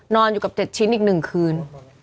นอนอยู่กับ๗ชิ้นอีก๑คืน